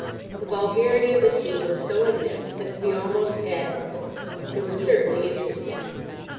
The vulgarity of the scene was so immense as to be almost admirable. It was certainly interesting.